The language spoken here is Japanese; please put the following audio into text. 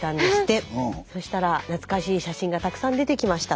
え⁉そしたら懐かしい写真がたくさん出てきましたと。